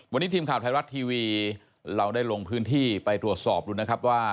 วันนี้ทีมข่าวไทยรัฐทีวีเราได้ลงพื้นที่ไปตรวจสอบดูนะครับว่า